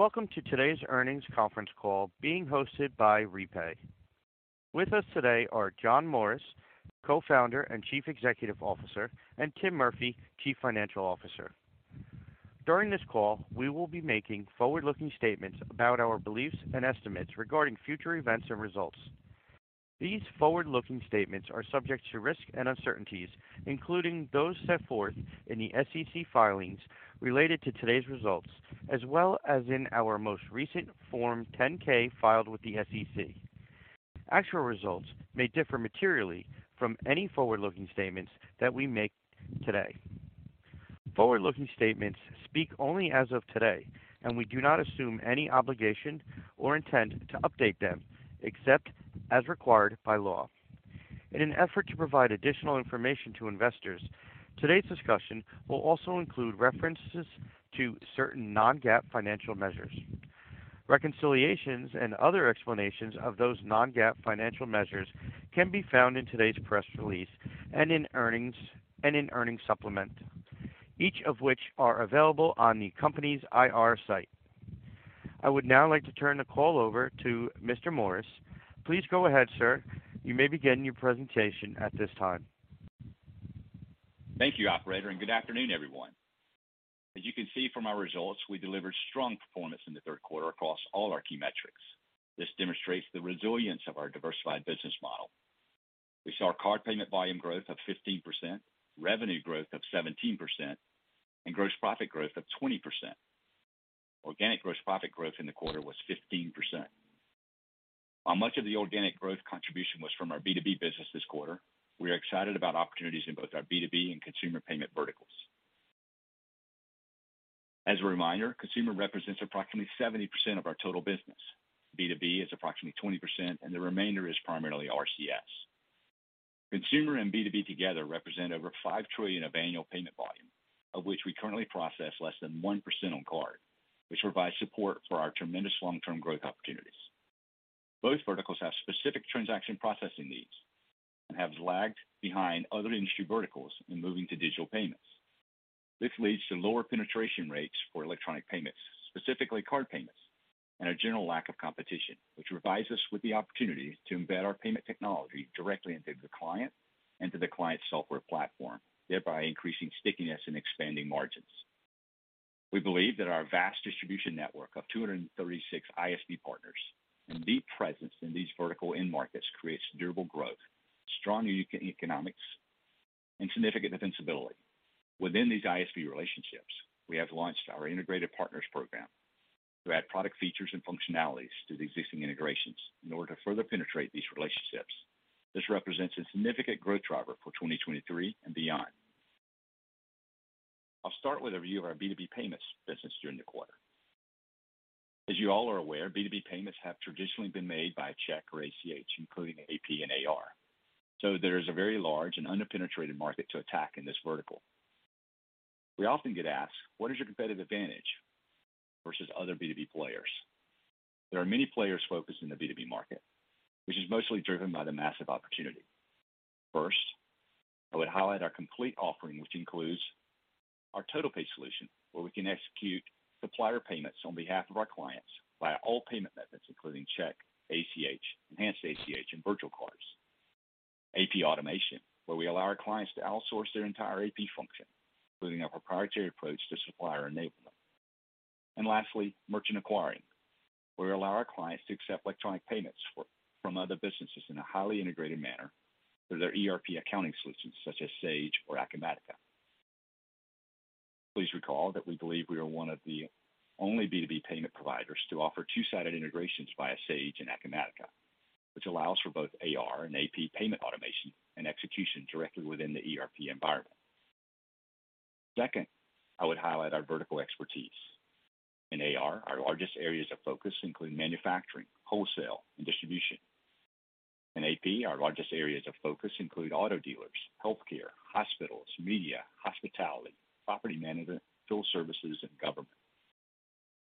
Welcome to today's earnings conference call being hosted by REPAY. With us today are John Morris, Co-founder and Chief Executive Officer, and Tim Murphy, Chief Financial Officer. During this call, we will be making forward-looking statements about our beliefs and estimates regarding future events and results. These forward-looking statements are subject to risks and uncertainties, including those set forth in the SEC filings related to today's results, as well as in our most recent Form 10-K filed with the SEC. Actual results may differ materially from any forward-looking statements that we make today. Forward-looking statements speak only as of today, and we do not assume any obligation or intend to update them except as required by law. In an effort to provide additional information to investors, today's discussion will also include references to certain non-GAAP financial measures. Reconciliations and other explanations of those non-GAAP financial measures can be found in today's press release and in earnings supplement, each of which are available on the company's IR site. I would now like to turn the call over to Mr. Morris. Please go ahead, sir. You may begin your presentation at this time. Thank you, operator, and good afternoon, everyone. As you can see from our results, we delivered strong performance in the third quarter across all our key metrics. This demonstrates the resilience of our diversified business model. We saw our card payment volume growth of 15%, revenue growth of 17%, and gross profit growth of 20%. Organic gross profit growth in the quarter was 15%. While much of the organic growth contribution was from our B2B business this quarter, we are excited about opportunities in both our B2B and consumer payment verticals. As a reminder, consumer represents approximately 70% of our total business. B2B is approximately 20%, and the remainder is primarily RCS. Consumer and B2B together represent over 5 trillion of annual payment volume, of which we currently process less than 1% on card, which provides support for our tremendous long-term growth opportunities. Both verticals have specific transaction processing needs and have lagged behind other industry verticals in moving to digital payments. This leads to lower penetration rates for electronic payments, specifically card payments and a general lack of competition, which provides us with the opportunity to embed our payment technology directly into the client and to the client's software platform, thereby increasing stickiness and expanding margins. We believe that our vast distribution network of 236 ISV partners and deep presence in these vertical end markets creates durable growth, strong economics, and significant defensibility. Within these ISV relationships, we have launched our integrated partners program to add product features and functionalities to the existing integrations in order to further penetrate these relationships. This represents a significant growth driver for 2023 and beyond. I'll start with a review of our B2B payments business during the quarter. As you all are aware, B2B payments have traditionally been made by check or ACH, including AP and AR. There is a very large and under-penetrated market to attack in this vertical. We often get asked, "What is your competitive advantage versus other B2B players?" There are many players focused in the B2B market, which is mostly driven by the massive opportunity. First, I would highlight our complete offering, which includes our TotalPay solution, where we can execute supplier payments on behalf of our clients via all payment methods, including check, ACH, enhanced ACH, and virtual cards. AP automation, where we allow our clients to outsource their entire AP function, including our proprietary approach to supplier enablement. Lastly, merchant acquiring, where we allow our clients to accept electronic payments from other businesses in a highly integrated manner through their ERP accounting solutions such as Sage or Acumatica. Please recall that we believe we are one of the only B2B payment providers to offer two-sided integrations via Sage and Acumatica, which allows for both AR and AP payment automation and execution directly within the ERP environment. Second, I would highlight our vertical expertise. In AR, our largest areas of focus include manufacturing, wholesale, and distribution. In AP, our largest areas of focus include auto dealers, healthcare, hospitals, media, hospitality, property management, fuel services, and government.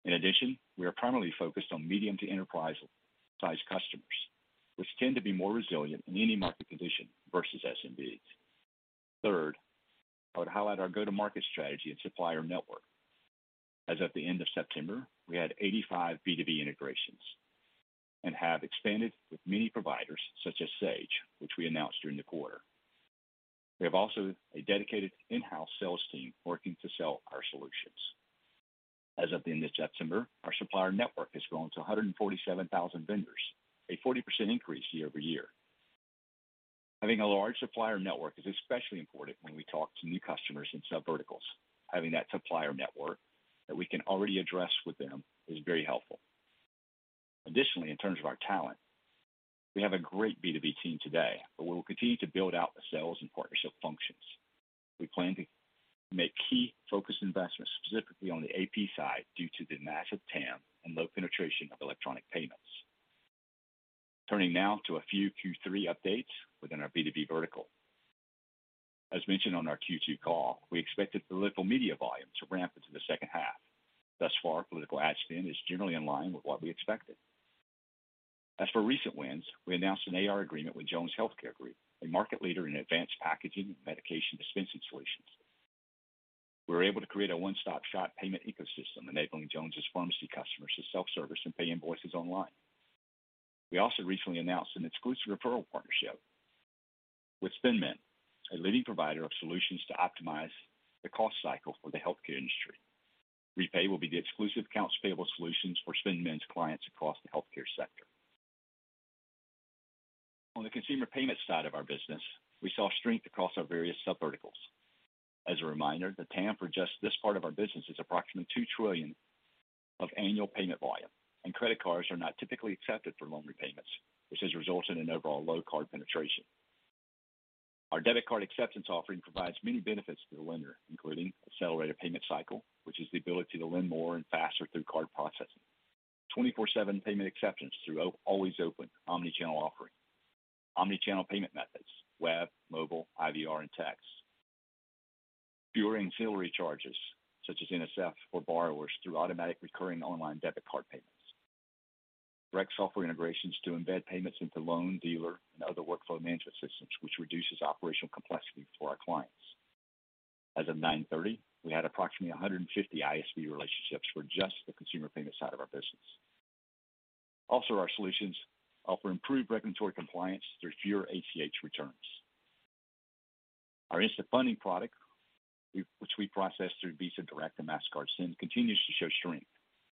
In addition, we are primarily focused on medium to enterprise-sized customers, which tend to be more resilient in any market condition versus SMBs. Third, I would highlight our go-to-market strategy and supplier network. As of the end of September, we had 85 B2B integrations and have expanded with many providers such as Sage, which we announced during the quarter. We have also a dedicated in-house sales team working to sell our solutions. As of the end of September, our supplier network has grown to 147,000 vendors, a 40% increase year-over-year. Having a large supplier network is especially important when we talk to new customers in subverticals. Having that supplier network that we can already address with them is very helpful. Additionally, in terms of our talent, we have a great B2B team today, but we will continue to build out the sales and partnership functions. We plan to make key focus investments specifically on the AP side due to the massive TAM and low penetration of electronic payments. Turning now to a few Q3 updates within our B2B vertical. As mentioned on our Q2 call, we expected political media volume to ramp into the second half. Thus far, political ad spend is generally in line with what we expected. As for recent wins, we announced an AR agreement with Jones Healthcare Group, a market leader in advanced packaging and medication dispensing solutions. We were able to create a one-stop-shop payment ecosystem enabling Jones's pharmacy customers to self-service and pay invoices online. We also recently announced an exclusive referral partnership with SpendMend, a leading provider of solutions to optimize the cost cycle for the healthcare industry. REPAY will be the exclusive accounts payable solutions for SpendMend's clients across the healthcare sector. On the consumer payment side of our business, we saw strength across our various subverticals. As a reminder, the TAM for just this part of our business is approximately $2 trillion of annual payment volume, and credit cards are not typically accepted for loan repayments. This has resulted in overall low card penetration. Our debit card acceptance offering provides many benefits to the lender, including accelerated payment cycle, which is the ability to lend more and faster through card processing. 24/7 payment acceptance through always open omni-channel offering. Omni-channel payment methods, web, mobile, IVR, and text. Fewer ancillary charges such as NSF for borrowers through automatic recurring online debit card payments. Direct software integrations to embed payments into loan, dealer, and other workflow management systems, which reduces operational complexity for our clients. As of 9/30, we had approximately 150 ISV relationships for just the consumer payment side of our business. Also, our solutions offer improved regulatory compliance through fewer ACH returns. Our Instant Funding product, which we process through Visa Direct and Mastercard Send, continues to show strength.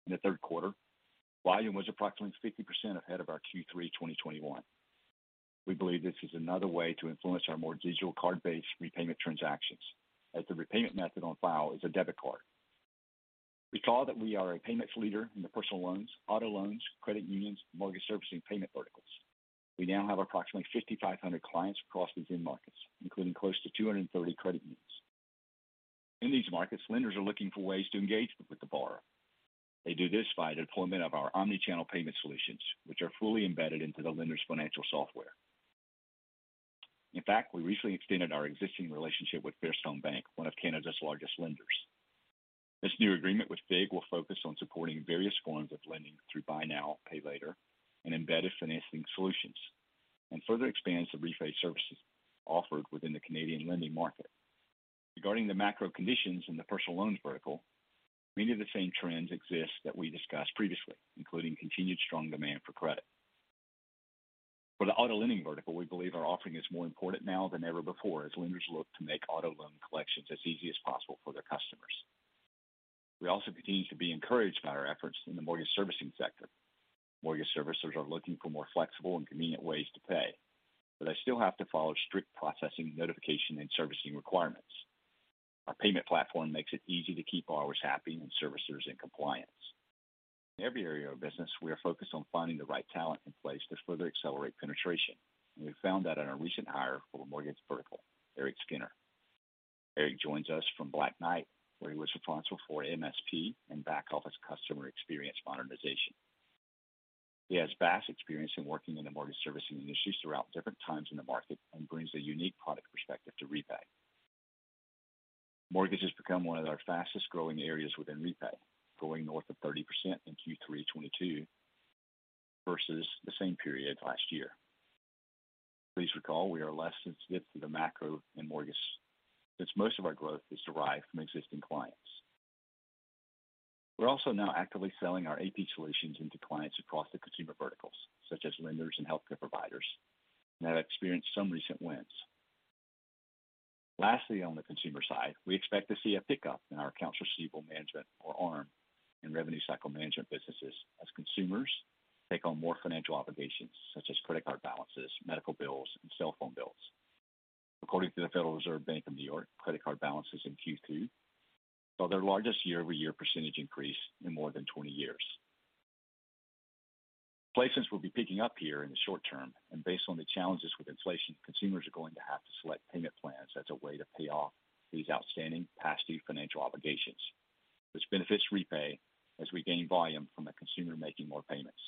In the third quarter, volume was approximately 50% ahead of our Q3 2021. We believe this is another way to influence our more digital card-based repayment transactions, as the repayment method on file is a debit card. Recall that we are a payments leader in the personal loans, auto loans, credit unions, mortgage servicing payment verticals. We now have approximately 5,500 clients across these end markets, including close to 230 credit unions. In these markets, lenders are looking for ways to engage with the borrower. They do this by the deployment of our omni-channel payment solutions, which are fully embedded into the lender's financial software. In fact, we recently extended our existing relationship with Fairstone Bank, one of Canada's largest lenders. This new agreement with Fig will focus on supporting various forms of lending through Buy Now, Pay Later, and embedded financing solutions, and further expands the REPAY services offered within the Canadian lending market. Regarding the macro conditions in the personal loans vertical, many of the same trends exist that we discussed previously, including continued strong demand for credit. For the auto lending vertical, we believe our offering is more important now than ever before as lenders look to make auto loan collections as easy as possible for their customers. We also continue to be encouraged by our efforts in the mortgage servicing sector. Mortgage servicers are looking for more flexible and convenient ways to pay, but they still have to follow strict processing, notification, and servicing requirements. Our payment platform makes it easy to keep borrowers happy and servicers in compliance. In every area of business, we are focused on finding the right talent in place to further accelerate penetration. We found that in our recent hire for the mortgage vertical, Erik Skinner. Erik joins us from Black Knight, where he was responsible for MSP and back-office customer experience modernization. He has vast experience in working in the mortgage servicing industry throughout different times in the market and brings a unique product perspective to REPAY. Mortgage has become one of our fastest-growing areas within REPAY, growing north of 30% in Q3 2022 versus the same period last year. Please recall, we are less sensitive to the macro in mortgage since most of our growth is derived from existing clients. We're also now actively selling our AP solutions into clients across the consumer verticals, such as lenders and healthcare providers, and have experienced some recent wins. Lastly, on the consumer side, we expect to see a pickup in our accounts receivable management or ARM and revenue cycle management businesses as consumers take on more financial obligations such as credit card balances, medical bills, and cell phone bills. According to the Federal Reserve Bank of New York, credit card balances in Q2 saw their largest year-over-year percentage increase in more than 20 years. Payments will be picking up here in the short term, and based on the challenges with inflation, consumers are going to have to select payment plans as a way to pay off these outstanding past-due financial obligations, which benefits REPAY as we gain volume from a consumer making more payments.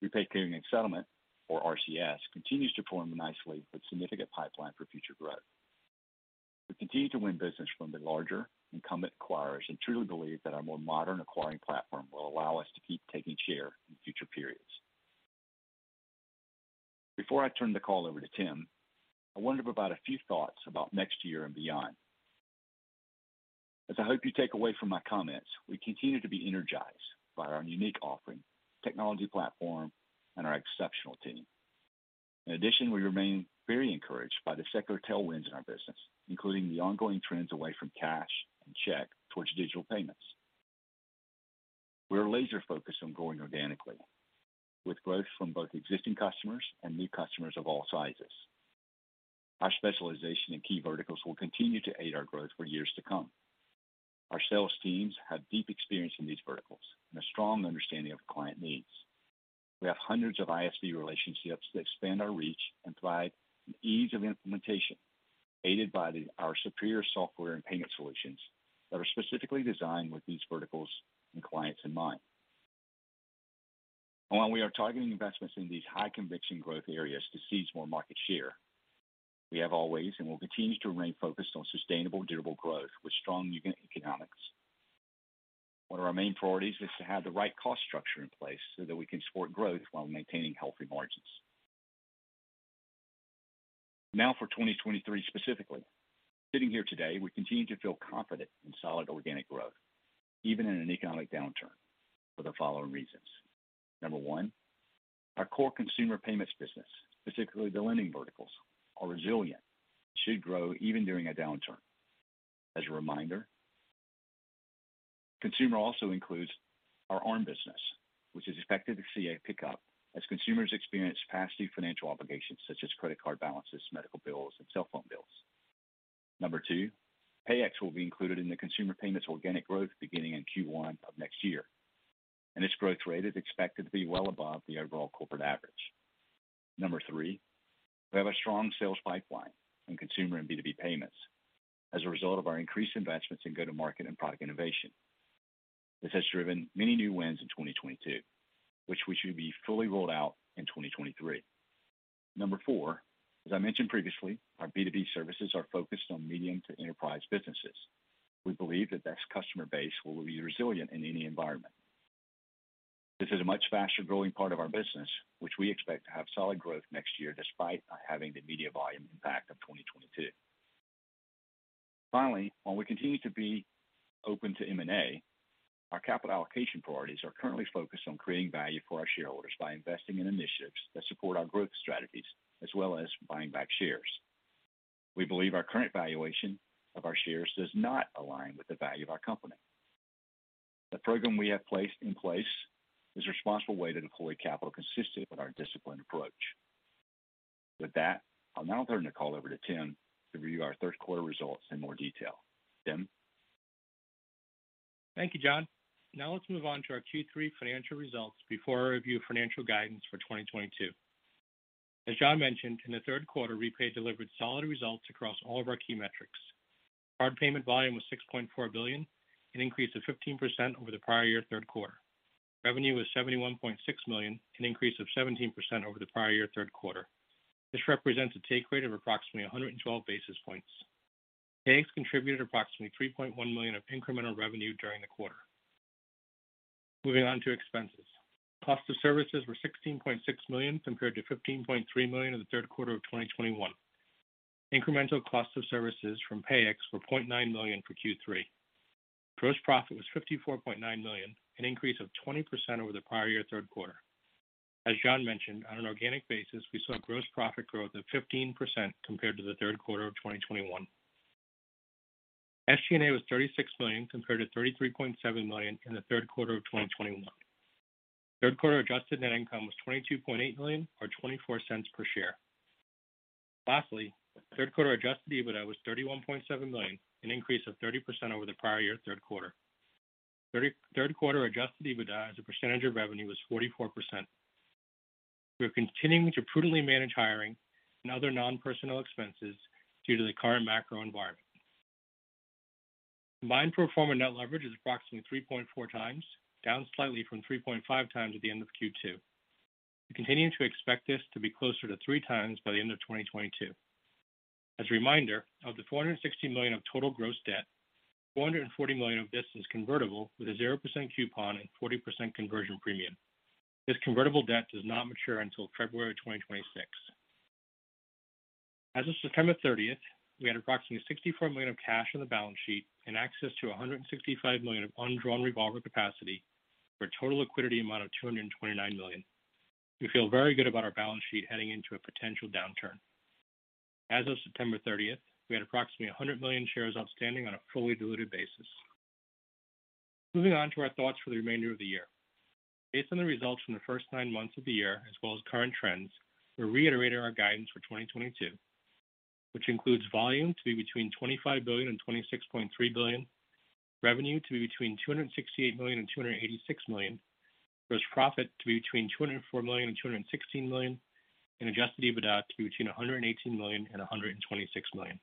REPAY Clearing and Settlement, or RCS, continues to perform nicely with significant pipeline for future growth. We continue to win business from the larger incumbent acquirers and truly believe that our more modern acquiring platform will allow us to keep taking share in future periods. Before I turn the call over to Tim, I wanted to provide a few thoughts about next year and beyond. As I hope you take away from my comments, we continue to be energized by our unique offering, technology platform, and our exceptional team. In addition, we remain very encouraged by the secular tailwinds in our business, including the ongoing trends away from cash and check towards digital payments. We're laser-focused on growing organically with growth from both existing customers and new customers of all sizes. Our specialization in key verticals will continue to aid our growth for years to come. Our sales teams have deep experience in these verticals and a strong understanding of client needs. We have hundreds of ISV relationships that expand our reach and provide the ease of implementation, aided by our superior software and payment solutions that are specifically designed with these verticals and clients in mind. While we are targeting investments in these high conviction growth areas to seize more market share, we have always and will continue to remain focused on sustainable durable growth with strong unit economics. One of our main priorities is to have the right cost structure in place so that we can support growth while maintaining healthy margins. Now for 2023 specifically. Sitting here today, we continue to feel confident in solid organic growth, even in an economic downturn for the following reasons. Number one, our core consumer payments business, specifically the lending verticals, are resilient, should grow even during a downturn. As a reminder, consumer also includes our ARM business, which is expected to see a pickup as consumers experience past due financial obligations such as credit card balances, medical bills, and cell phone bills. Number two, Payix will be included in the consumer payments organic growth beginning in Q1 of next year, and its growth rate is expected to be well above the overall corporate average. Number three, we have a strong sales pipeline in consumer and B2B payments as a result of our increased investments in go-to-market and product innovation. This has driven many new wins in 2022, which we should be fully rolled out in 2023. Number four, as I mentioned previously, our B2B services are focused on medium to enterprise businesses. We believe that this customer base will be resilient in any environment. This is a much faster-growing part of our business, which we expect to have solid growth next year despite not having the media volume impact of 2022. Finally, while we continue to be open to M&A, our capital allocation priorities are currently focused on creating value for our shareholders by investing in initiatives that support our growth strategies as well as buying back shares. We believe our current valuation of our shares does not align with the value of our company. The program we have placed in place is a responsible way to deploy capital consistent with our disciplined approach. With that, I'll now turn the call over to Tim to review our third quarter results in more detail. Tim? Thank you, John. Now let's move on to our Q3 financial results before I review financial guidance for 2022. As John mentioned, in the third quarter, REPAY delivered solid results across all of our key metrics. Card payment volume was $6.4 billion, an increase of 15% over the prior year third quarter. Revenue was $71.6 million, an increase of 17% over the prior year third quarter. This represents a take rate of approximately 112 basis points. Payix contributed approximately $3.1 million of incremental revenue during the quarter. Moving on to expenses. Cost of services were $16.6 million compared to $15.3 million in the third quarter of 2021. Incremental cost of services from Payix were $0.9 million for Q3. Gross profit was $54.9 million, an increase of 20% over the prior year third quarter. As John mentioned, on an organic basis, we saw gross profit growth of 15% compared to the third quarter of 2021. SG&A was $36 million compared to $33.7 million in the third quarter of 2021. Third quarter adjusted net income was $22.8 million or $0.24 per share. Lastly, third quarter adjusted EBITDA was $31.7 million, an increase of 30% over the prior year third quarter. Third quarter adjusted EBITDA as a percentage of revenue was 44%. We are continuing to prudently manage hiring and other non-personal expenses due to the current macro environment. Combined pro forma net leverage is approximately 3.4x, down slightly from 3.5x at the end of Q2. We continue to expect this to be closer to 3x by the end of 2022. As a reminder, of the $460 million of total gross debt, $440 million of this is convertible with a 0% coupon and 40% conversion premium. This convertible debt does not mature until February 2026. As of September 30, we had approximately $64 million of cash on the balance sheet and access to $165 million of undrawn revolver capacity for a total liquidity amount of $229 million. We feel very good about our balance sheet heading into a potential downturn. As of September 30, we had approximately 100 million shares outstanding on a fully diluted basis. Moving on to our thoughts for the remainder of the year. Based on the results from the first nine months of the year as well as current trends, we're reiterating our guidance for 2022, which includes volume to be between $25 billion and $26.3 billion, revenue to be between $268 million and $286 million, gross profit to be between $204 million and $216 million, and adjusted EBITDA to be between $118 million and $126 million.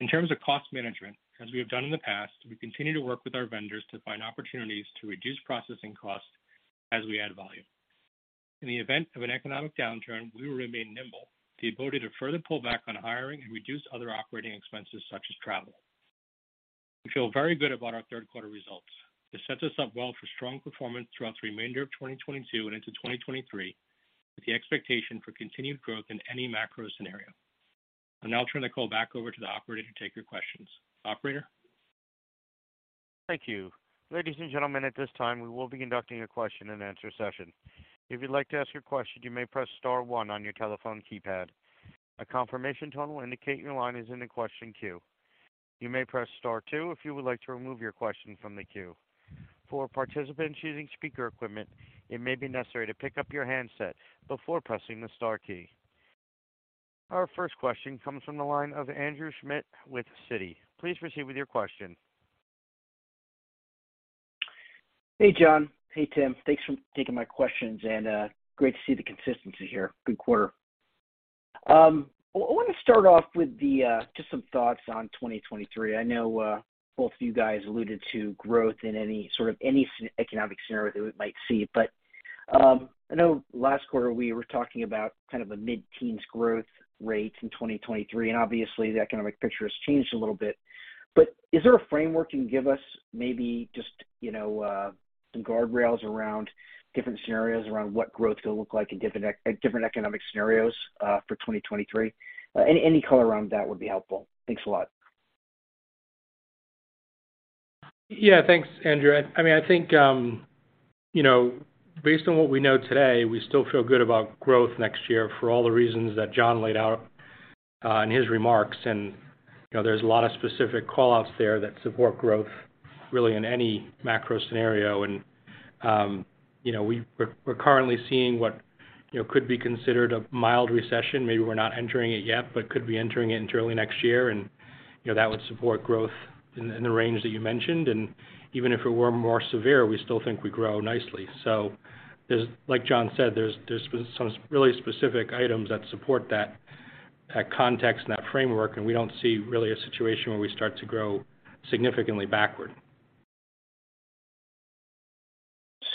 In terms of cost management, as we have done in the past, we continue to work with our vendors to find opportunities to reduce processing costs as we add volume. In the event of an economic downturn, we will remain nimble, the ability to further pull back on hiring and reduce other operating expenses such as travel. We feel very good about our third quarter results. This sets us up well for strong performance throughout the remainder of 2022 and into 2023, with the expectation for continued growth in any macro scenario. I'll now turn the call back over to the operator to take your questions. Operator? Thank you. Ladies and gentlemen, at this time, we will be conducting a question-and-answer session. If you'd like to ask your question, you may press star one on your telephone keypad. A confirmation tone will indicate your line is in the question queue. You may press star two if you would like to remove your question from the queue. For participants using speaker equipment, it may be necessary to pick up your handset before pressing the star key. Our first question comes from the line of Andrew Schmidt with Citi. Please proceed with your question. Hey, John. Hey, Tim. Thanks for taking my questions and, great to see the consistency here. Good quarter. I want to start off with the, just some thoughts on 2023. I know, both of you guys alluded to growth in economic scenario that we might see, but I know last quarter we were talking about kind of a mid-teens growth rate in 2023, and obviously the economic picture has changed a little bit. Is there a framework you can give us, maybe just, you know, some guardrails around different scenarios around what growth will look like in different economic scenarios, for 2023? Any color around that would be helpful. Thanks a lot. Yeah. Thanks, Andrew. I mean, I think, you know, based on what we know today, we still feel good about growth next year for all the reasons that John laid out, in his remarks. You know, there's a lot of specific call-outs there that support growth really in any macro scenario. You know, we're currently seeing what, you know, could be considered a mild recession. Maybe we're not entering it yet, but could be entering it in early next year. You know, that would support growth in the range that you mentioned. Even if it were more severe, we still think we grow nicely. Like John said, there's some really specific items that support that context and that framework, and we don't see really a situation where we start to grow significantly backward.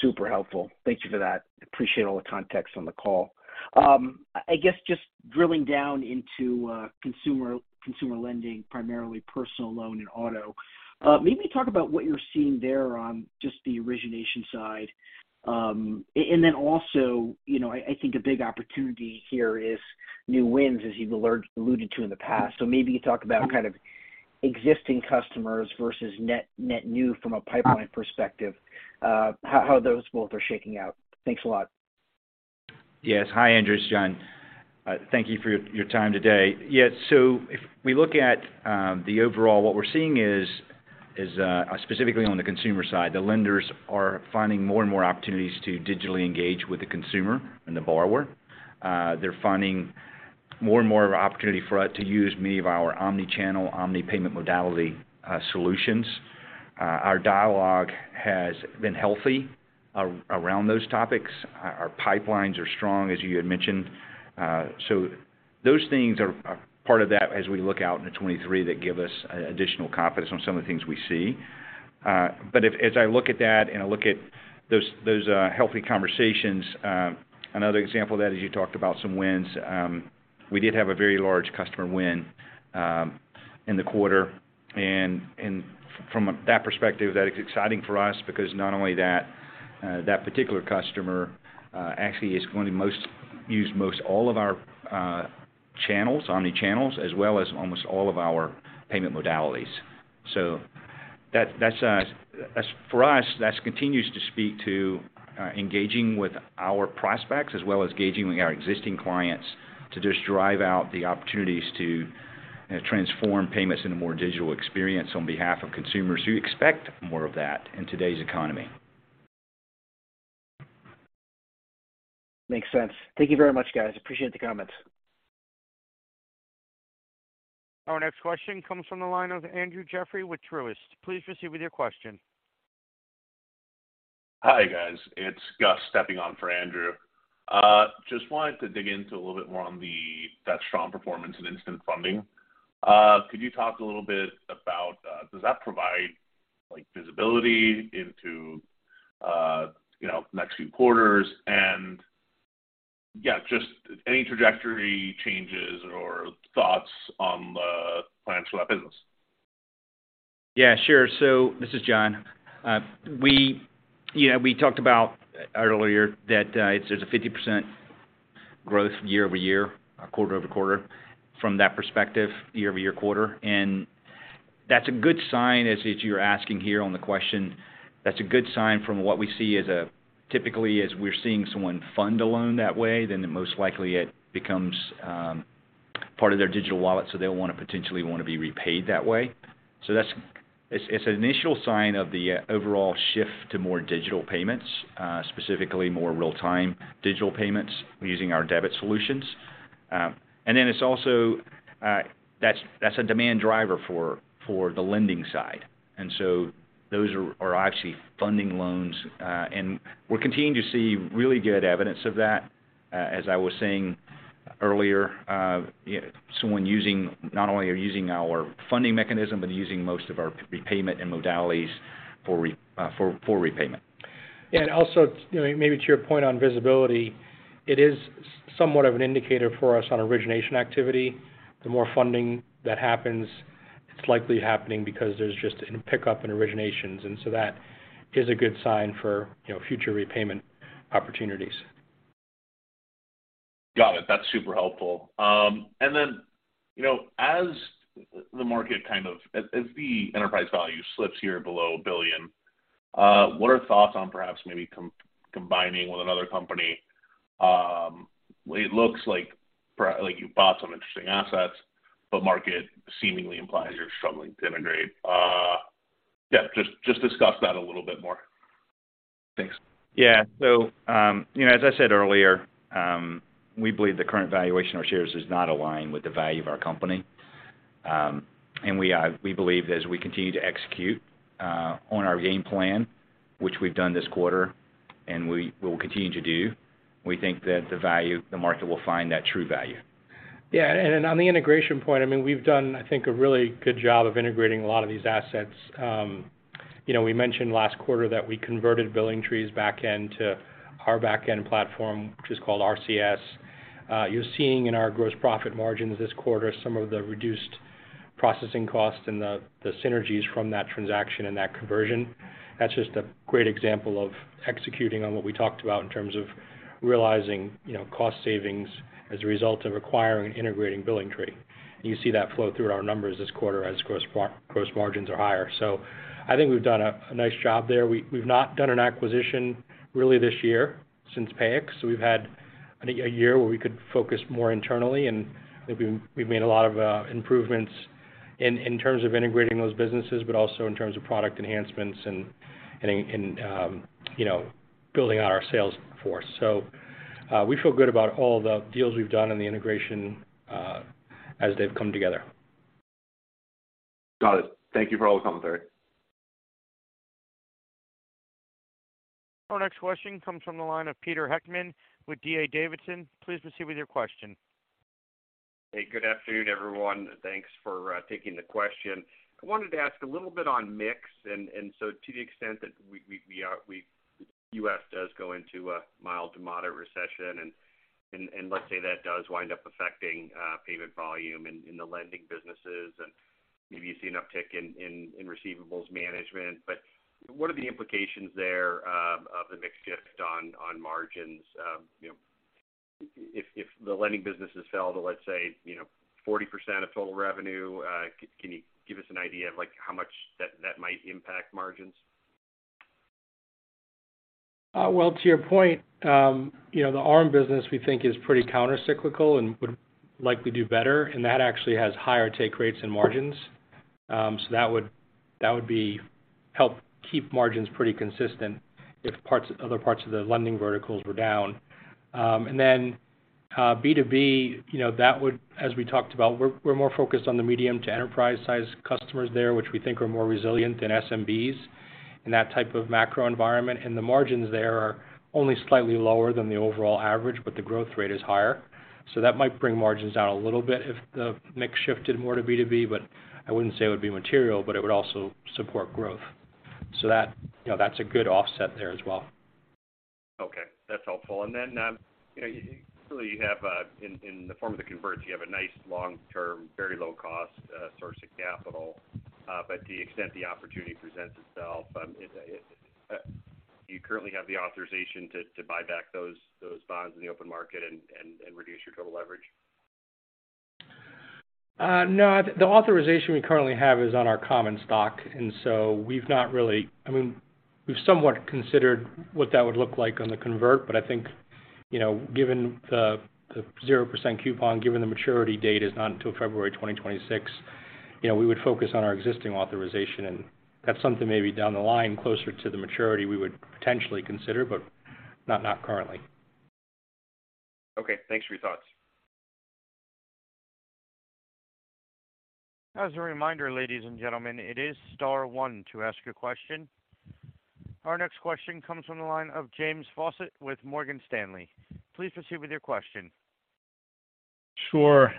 Super helpful. Thank you for that. Appreciate all the context on the call. I guess just drilling down into consumer lending, primarily personal loan and auto, maybe talk about what you're seeing there on just the origination side. And then also, you know, I think a big opportunity here is new wins, as you've alluded to in the past. Maybe you talk about kind of existing customers versus net new from a pipeline perspective, how those both are shaking out. Thanks a lot. Yes. Hi, Andrew. It's John. Thank you for your time today. Yeah. If we look at the overall, what we're seeing is specifically on the consumer side, the lenders are finding more and more opportunities to digitally engage with the consumer and the borrower. They're finding more and more of an opportunity for us to use many of our omni-channel, omni payment modality solutions. Our dialogue has been healthy around those topics. Our pipelines are strong, as you had mentioned. Those things are part of that as we look out into 2023 that give us additional confidence on some of the things we see. As I look at that and I look at those healthy conversations, another example of that is you talked about some wins. We did have a very large customer win in the quarter. From that perspective, that is exciting for us because not only that particular customer actually is going to use most all of our channels, omni channels, as well as almost all of our payment modalities. That's for us, that continues to speak to engaging with our prospects as well as engaging with our existing clients to just drive out the opportunities to, you know, transform payments into more digital experience on behalf of consumers who expect more of that in today's economy. Makes sense. Thank you very much, guys. Appreciate the comments. Our next question comes from the line of Andrew Jeffrey with Truist. Please proceed with your question. Hi, guys. It's Gus stepping on for Andrew. Just wanted to dig into a little bit more on the strong performance in Instant Funding. Could you talk a little bit about, does that provide, like, visibility into, you know, next few quarters? Yeah, just any trajectory changes or thoughts on the plans for that business. Yeah, sure. This is John. We, you know, we talked about earlier that there's a 50% growth year-over-year, quarter-over-quarter from that perspective. That's a good sign, as you're asking here on the question. That's a good sign from what we see as typically, as we're seeing someone fund a loan that way, then most likely it becomes part of their digital wallet, so they'll wanna potentially wanna be repaid that way. It's an initial sign of the overall shift to more digital payments, specifically more real-time digital payments using our debit solutions. It's also a demand driver for the lending side. Those are obviously funding loans. We're continuing to see really good evidence of that. As I was saying earlier, someone using not only are using our funding mechanism, but using most of our repayment and modalities for repayment. You know, maybe to your point on visibility, it is somewhat of an indicator for us on origination activity. The more funding that happens, it's likely happening because there's just a pickup in originations, and so that is a good sign for, you know, future repayment opportunities. Got it. That's super helpful. You know, as the market kind of as the enterprise value slips here below $1 billion, what are thoughts on perhaps maybe combining with another company? It looks like like you've bought some interesting assets, but market seemingly implies you're struggling to integrate. Yeah, just discuss that a little bit more. Thanks. You know, as I said earlier, we believe the current valuation of our shares does not align with the value of our company. We believe as we continue to execute on our game plan, which we've done this quarter and we will continue to do, we think that the market will find that true value. Yeah. On the integration point, I mean, we've done, I think, a really good job of integrating a lot of these assets. You know, we mentioned last quarter that we converted BillingTree's back-end to our back-end platform, which is called RCS. You're seeing in our gross profit margins this quarter some of the reduced processing costs and the synergies from that transaction and that conversion. That's just a great example of executing on what we talked about in terms of realizing, you know, cost savings as a result of acquiring and integrating BillingTree. You see that flow through our numbers this quarter as gross margins are higher. I think we've done a nice job there. We've not done an acquisition really this year since Payix. We've had, I think, a year where we could focus more internally, and I think we've made a lot of improvements in terms of integrating those businesses, but also in terms of product enhancements and you know, building out our sales force. We feel good about all the deals we've done and the integration as they've come together. Got it. Thank you for all the commentary. Our next question comes from the line of Peter Heckmann with D.A. Davidson. Please proceed with your question. Hey, good afternoon, everyone. Thanks for taking the question. I wanted to ask a little bit on mix, and so to the extent that U.S. does go into a mild to moderate recession and let's say that does wind up affecting payment volume in the lending businesses and maybe you see an uptick in receivables management. What are the implications there of the mix shift on margins? You know, if the lending businesses fell to, let's say, you know, 40% of total revenue, can you give us an idea of like how much that might impact margins? Well, to your point, you know, the RM business we think is pretty countercyclical and would likely do better, and that actually has higher take rates and margins. That would help keep margins pretty consistent if other parts of the lending verticals were down. B2B, you know, that would, as we talked about, we're more focused on the medium to enterprise-sized customers there, which we think are more resilient than SMBs in that type of macro environment. The margins there are only slightly lower than the overall average, but the growth rate is higher. That might bring margins down a little bit if the mix shifted more to B2B, but I wouldn't say it would be material, but it would also support growth. That, you know, that's a good offset there as well. Okay, that's helpful. You know, you clearly have in the form of the converts a nice long-term, very low cost source of capital. But to the extent the opportunity presents itself, do you currently have the authorization to buy back those bonds in the open market and reduce your total leverage? No. The authorization we currently have is on our common stock, and so we've not really I mean, we've somewhat considered what that would look like on the convert, but I think, you know, given the zero percent coupon, given the maturity date is not until February 2026, you know, we would focus on our existing authorization. That's something maybe down the line closer to the maturity we would potentially consider, but not currently. Okay, thanks for your thoughts. As a reminder, ladies and gentlemen, it is star one to ask a question. Our next question comes from the line of James Faucette with Morgan Stanley. Please proceed with your question. Sure.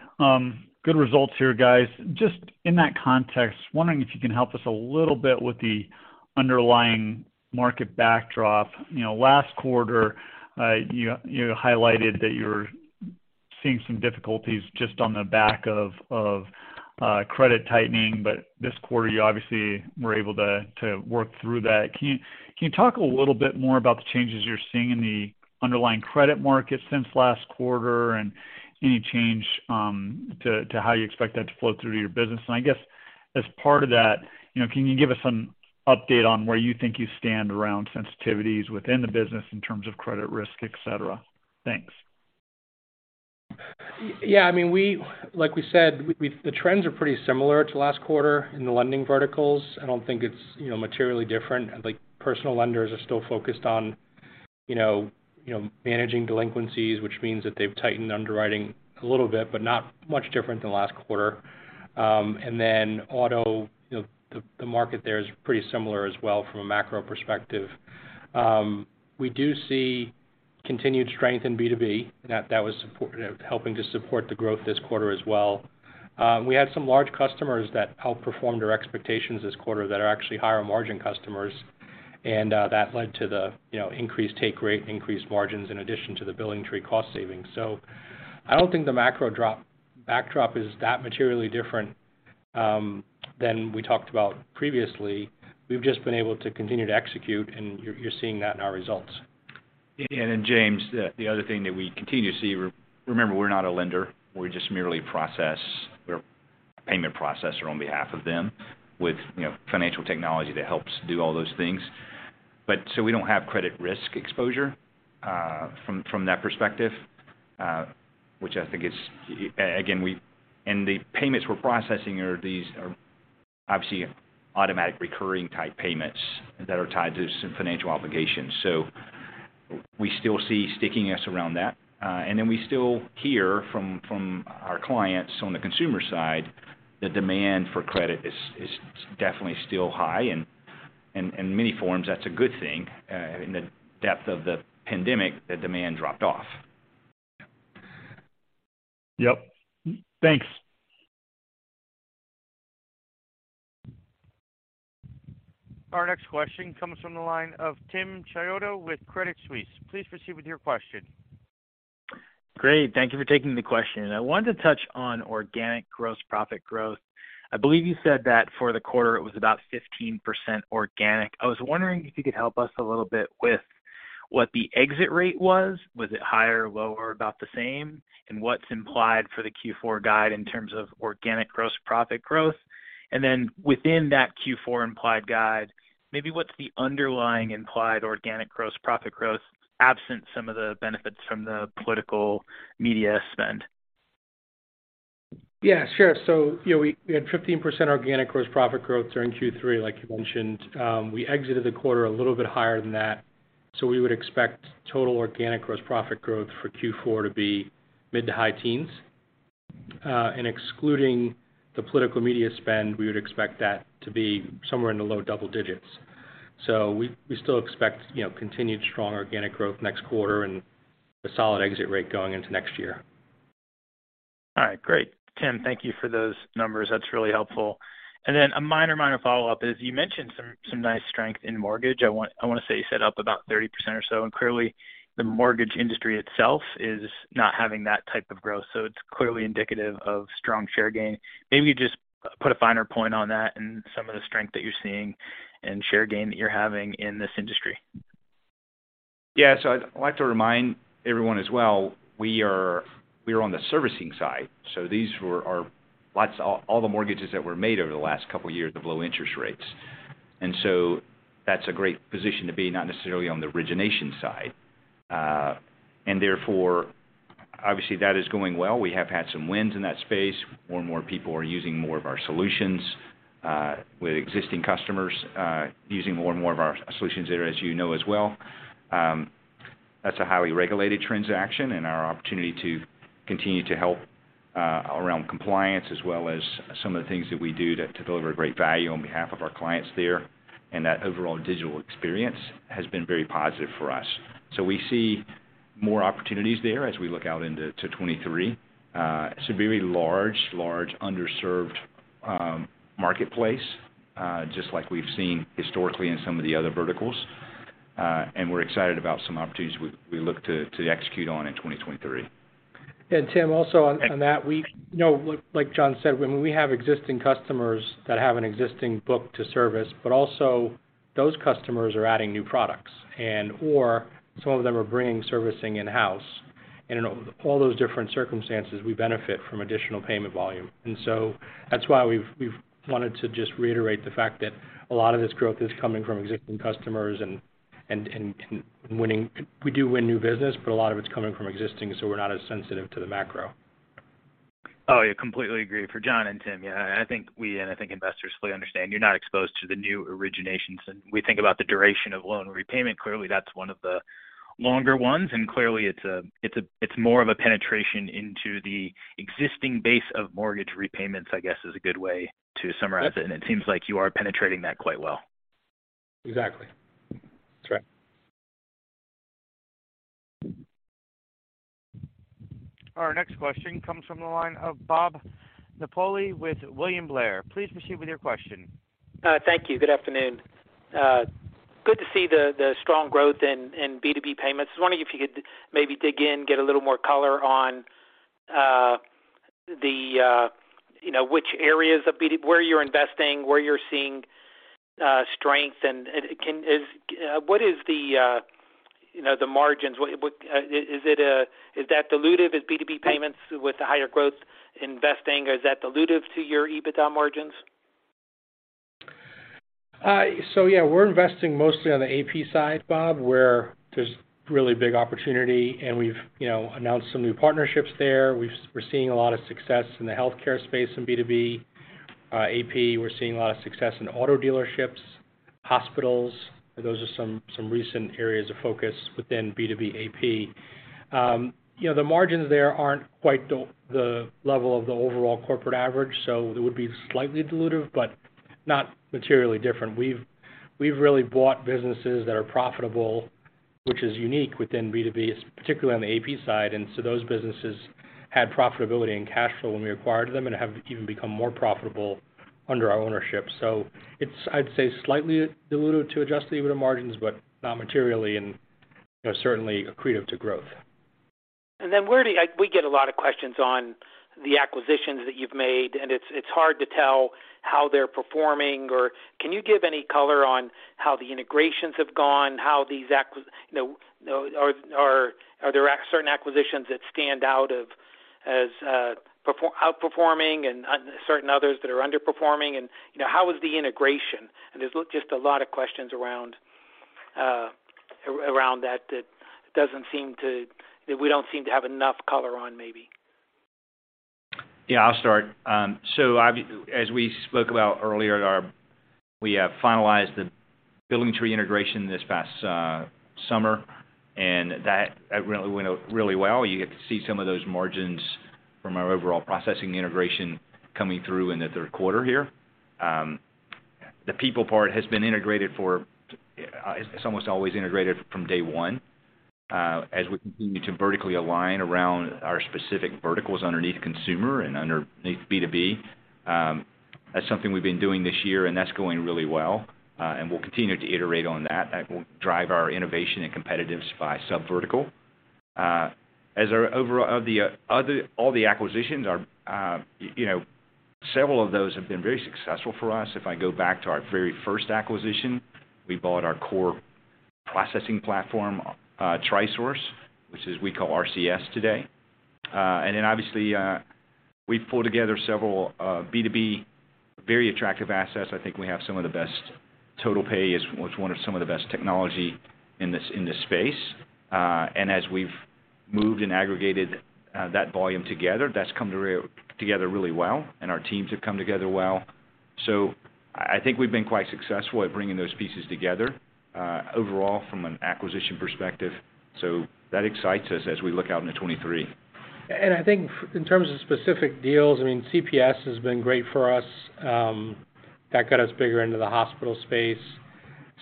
Good results here, guys. Just in that context, wondering if you can help us a little bit with the underlying market backdrop. You know, last quarter, you highlighted that you were seeing some difficulties just on the back of credit tightening. This quarter, you obviously were able to work through that. Can you talk a little bit more about the changes you're seeing in the underlying credit market since last quarter and any change to how you expect that to flow through to your business? And I guess as part of that, you know, can you give us an update on where you think you stand around sensitivities within the business in terms of credit risk, etc.? Thanks. Yeah. I mean, like we said, the trends are pretty similar to last quarter in the lending verticals. I don't think it's, you know, materially different. Like, personal lenders are still focused on, you know, managing delinquencies, which means that they've tightened underwriting a little bit, but not much different than last quarter. And then auto, you know, the market there is pretty similar as well from a macro perspective. We do see continued strength in B2B. That was helping to support the growth this quarter as well. We had some large customers that outperformed our expectations this quarter that are actually higher margin customers, and that led to the, you know, increased take rate, increased margins in addition to the BillingTree cost savings. I don't think the macro backdrop is that materially different than we talked about previously. We've just been able to continue to execute, and you're seeing that in our results. Then James, the other thing that we continue to see, remember, we're not a lender. We're just merely a processor. We're a payment processor on behalf of them with, you know, financial technology that helps do all those things. But we don't have credit risk exposure from that perspective, which I think is again. The payments we're processing are obviously automatic recurring type payments that are tied to some financial obligations. We still see stickiness around that. We still hear from our clients on the consumer side that demand for credit is definitely still high and in many forms, that's a good thing. In the depths of the pandemic, the demand dropped off. Yep. Thanks. Our next question comes from the line of Tim Chiodo with Credit Suisse. Please proceed with your question. Great. Thank you for taking the question. I want to touch on organic gross profit growth. I believe you said that for the quarter it was about 15% organic. I was wondering if you could help us a little bit with what the exit rate was. Was it higher, lower, about the same? And what's implied for the Q4 guide in terms of organic gross profit growth. And then within that Q4 implied guide, maybe what's the underlying implied organic gross profit growth absent some of the benefits from the political media spend? Yeah, sure. You know, we had 15% organic gross profit growth during Q3, like you mentioned. We exited the quarter a little bit higher than that, so we would expect total organic gross profit growth for Q4 to be mid- to high-teens %. Excluding the political media spend, we would expect that to be somewhere in the low-double-digits %. We still expect, you know, continued strong organic growth next quarter and a solid exit rate going into next year. All right, great. Tim, thank you for those numbers. That's really helpful. A minor follow-up is you mentioned some nice strength in mortgage. I wanna say you set up about 30% or so, and clearly the mortgage industry itself is not having that type of growth, so it's clearly indicative of strong share gain. Maybe just put a finer point on that and some of the strength that you're seeing and share gain that you're having in this industry. I'd like to remind everyone as well, we are on the servicing side, that's all the mortgages that were made over the last couple of years of low interest rates. That's a great position to be, not necessarily on the origination side. Therefore obviously that is going well. We have had some wins in that space. More and more people are using more of our solutions with existing customers using more and more of our solutions there, as you know as well. That's a highly regulated transaction and our opportunity to continue to help around compliance as well as some of the things that we do to deliver great value on behalf of our clients there, and that overall digital experience has been very positive for us. We see more opportunities there as we look out into 2023. It's a very large underserved marketplace, just like we've seen historically in some of the other verticals. We're excited about some opportunities we look to execute on in 2023. Tim, also on that, we you know, like John said, when we have existing customers that have an existing book to service, but also those customers are adding new products and, or some of them are bringing servicing in-house. In all those different circumstances, we benefit from additional payment volume. That's why we've wanted to just reiterate the fact that a lot of this growth is coming from existing customers and winning. We do win new business, but a lot of it's coming from existing, so we're not as sensitive to the macro. Oh, yeah, completely agree for John and Tim. Yeah, I think investors fully understand you're not exposed to the new originations. We think about the duration of loan repayment, clearly that's one of the longer ones. Clearly it's more of a penetration into the existing base of mortgage repayments, I guess, is a good way to summarize it. It seems like you are penetrating that quite well. Exactly. That's right. Our next question comes from the line of Bob Napoli with William Blair. Please proceed with your question. Thank you. Good afternoon. Good to see the strong growth in B2B payments. I was wondering if you could maybe dig in, get a little more color on you know which areas of B2B where you're investing, where you're seeing strength, and what is, you know, the margins? What is it, is that dilutive? Is B2B payments with the higher growth investing, is that dilutive to your EBITDA margins? Yeah, we're investing mostly on the AP side, Bob, where there's really big opportunity and we've announced some new partnerships there. We're seeing a lot of success in the healthcare space in B2B. AP, we're seeing a lot of success in auto dealerships, hospitals. Those are some recent areas of focus within B2B AP. You know, the margins there aren't quite the level of the overall corporate average, so it would be slightly dilutive, but not materially different. We've really bought businesses that are profitable, which is unique within B2B, particularly on the AP side. Those businesses had profitability and cash flow when we acquired them and have even become more profitable under our ownership. It's, I'd say, slightly dilutive to adjusted EBITDA margins, but not materially and, you know, certainly accretive to growth. We get a lot of questions on the acquisitions that you've made, and it's hard to tell how they're performing. Can you give any color on how the integrations have gone, how these, you know, are there certain acquisitions that stand out as outperforming and certain others that are underperforming and, you know, how is the integration? There's just a lot of questions around that that we don't seem to have enough color on maybe. I'll start. As we spoke about earlier, we have finalized the BillingTree integration this past summer, and that went out really well. You get to see some of those margins from our overall processing integration coming through in the third quarter here. The people part has been integrated for, it's almost always integrated from day one. As we continue to vertically align around our specific verticals underneath consumer and underneath B2B, that's something we've been doing this year, and that's going really well. We'll continue to iterate on that. That will drive our innovation and competitive advantage in sub-verticals. All the acquisitions are, you know, several of those have been very successful for us. If I go back to our very first acquisition, we bought our core processing platform, TriSource, which we call RCS today. Obviously, we pulled together several B2B very attractive assets. I think we have some of the best TotalPay, which was one of the best technology in this space. As we've moved and aggregated that volume together, that's come together really well, and our teams have come together well. I think we've been quite successful at bringing those pieces together overall from an acquisition perspective. That excites us as we look out into 2023. I think in terms of specific deals, I mean, CPS has been great for us. That got us bigger into the hospital space.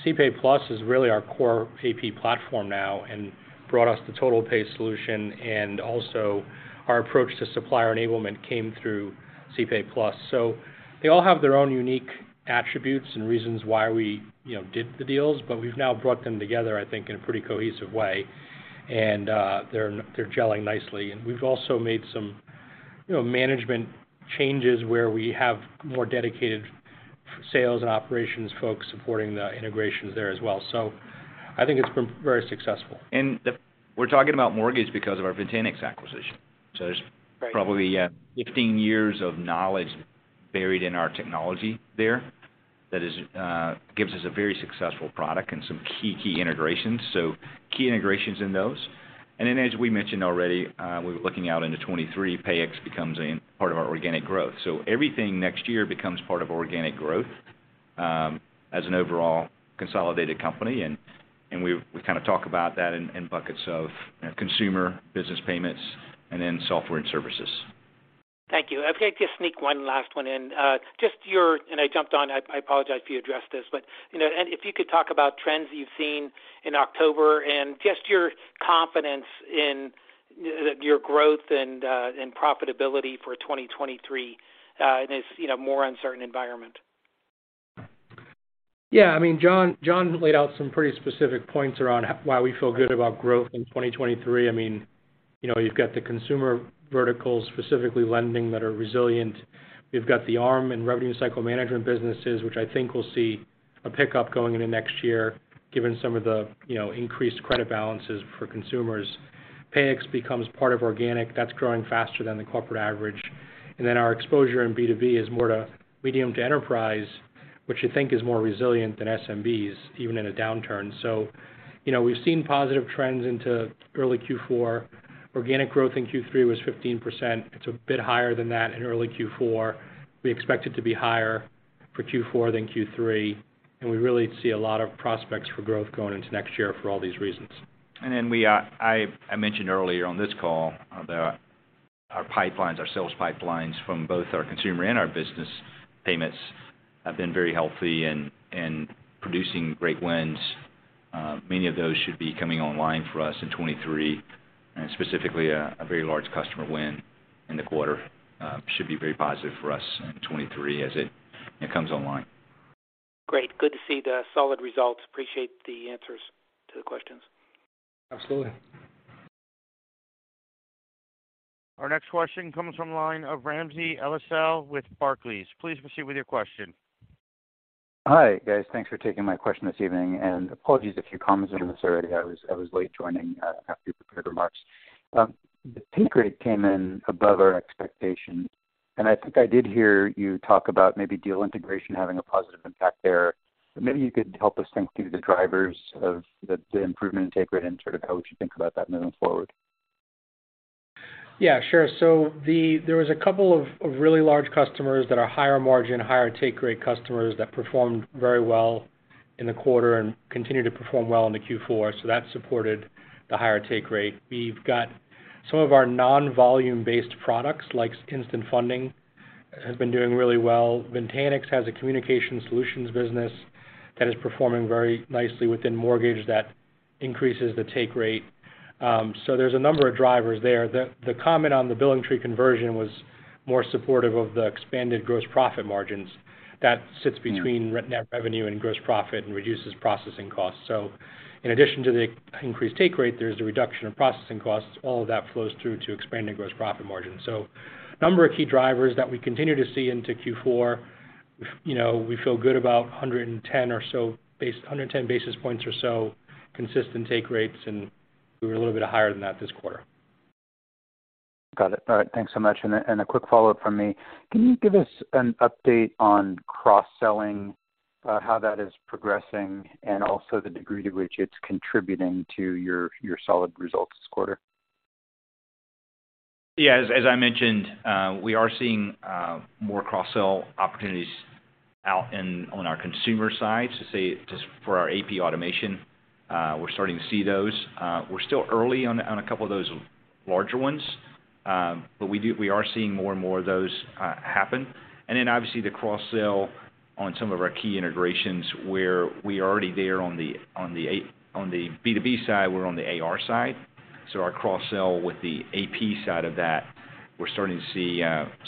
cPayPlus is really our core AP platform now and brought us the TotalPay solution and also our approach to supplier enablement came through cPayPlus. They all have their own unique attributes and reasons why we, you know, did the deals, but we've now brought them together, I think, in a pretty cohesive way, and they're gelling nicely. We've also made some, you know, management changes where we have more dedicated sales and operations folks supporting the integrations there as well. I think it's been very successful. We're talking about mortgage because of our Ventanex acquisition. There's. Right. Probably 15 years of knowledge buried in our technology there that gives us a very successful product and some key integrations. Key integrations in those. Then as we mentioned already, we were looking out into 2023, Payix becomes a part of our organic growth. Everything next year becomes part of organic growth as an overall consolidated company. We've kinda talked about that in buckets of consumer business payments and then software and services. Thank you. If I could just sneak one last one in. I apologize if you addressed this. You know, and if you could talk about trends you've seen in October and just your confidence in your growth and profitability for 2023, in this, you know, more uncertain environment. Yeah. I mean, John laid out some pretty specific points around why we feel good about growth in 2023. I mean, you know, you've got the consumer verticals, specifically lending that are resilient. We've got the ARM and revenue cycle management businesses, which I think will see a pickup going into next year, given some of the, you know, increased credit balances for consumers. Payix becomes part of organic, that's growing faster than the corporate average. And then our exposure in B2B is more to medium to enterprise, which you think is more resilient than SMBs, even in a downturn. You know, we've seen positive trends into early Q4. Organic growth in Q3 was 15%. It's a bit higher than that in early Q4. We expect it to be higher for Q4 than Q3, and we really see a lot of prospects for growth going into next year for all these reasons. I mentioned earlier on this call about our pipelines, our sales pipelines from both our consumer and our business payments have been very healthy and producing great wins. Many of those should be coming online for us in 2023. Specifically, a very large customer win in the quarter should be very positive for us in 2023 as it comes online. Great. Good to see the solid results. Appreciate the answers to the questions. Absolutely. Our next question comes from the line of Ramsey El-Assal with Barclays. Please proceed with your question. Hi, guys. Thanks for taking my question this evening. Apologies if you commented on this already. I was late joining after your prepared remarks. The take rate came in above our expectation, and I think I did hear you talk about maybe deal integration having a positive impact there. Maybe you could help us think through the drivers of the improvement in take rate and sort of how we should think about that moving forward. Yeah, sure. There was a couple of really large customers that are higher margin, higher take rate customers that performed very well in the quarter and continue to perform well into Q4, that supported the higher take rate. We've got some of our non-volume based products, like Instant Funding, has been doing really well. Ventanex has a communication solutions business that is performing very nicely within mortgage that increases the take rate. There's a number of drivers there. The comment on the BillingTree conversion was more supportive of the expanded gross profit margins. That sits between net revenue and gross profit and reduces processing costs. In addition to the increased take rate, there's the reduction in processing costs. All of that flows through to expanding gross profit margin. Number of key drivers that we continue to see into Q4, you know, we feel good about 110 or so basis points or so consistent take rates, and we were a little bit higher than that this quarter. Got it. All right. Thanks so much. A quick follow-up from me. Can you give us an update on cross-selling, how that is progressing, and also the degree to which it's contributing to your solid results this quarter? Yeah. As I mentioned, we are seeing more cross-sell opportunities out on our consumer side. To say just for our AP automation, we're starting to see those. We're still early on a couple of those larger ones. But we are seeing more and more of those happen. Then obviously the cross-sell on some of our key integrations where we are already there on the B2B side, we're on the AR side. So our cross-sell with the AP side of that, we're starting to see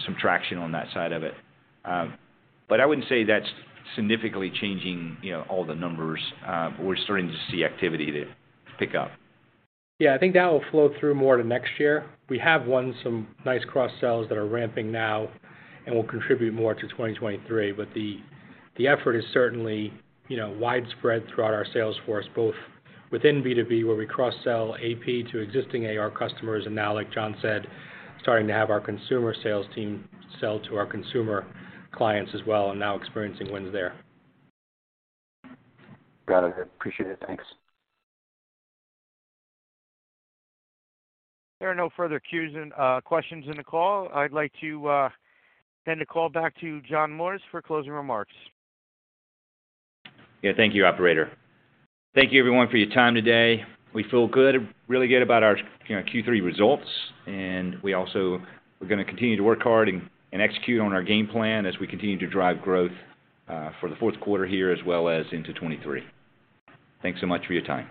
some traction on that side of it. But I wouldn't say that's significantly changing, you know, all the numbers. But we're starting to see activity to pick up. Yeah. I think that will flow through more to next year. We have won some nice cross-sells that are ramping now and will contribute more to 2023. The effort is certainly, you know, widespread throughout our sales force, both within B2B, where we cross-sell AP to existing AR customers, and now, like John said, starting to have our consumer sales team sell to our consumer clients as well and now experiencing wins there. Got it. Appreciate it. Thanks. There are no further questions in the call. I'd like to hand the call back to John Morris for closing remarks. Yeah. Thank you, operator. Thank you everyone for your time today. We feel good, really good about our, you know, Q3 results, and we're gonna continue to work hard and execute on our game plan as we continue to drive growth for the fourth quarter here as well as into 2023. Thanks so much for your time.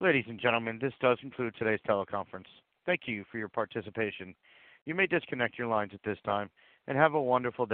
Ladies and gentlemen, this does conclude today's teleconference. Thank you for your participation. You may disconnect your lines at this time, and have a wonderful day.